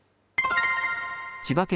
千葉県